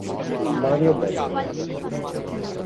Mario Bettoli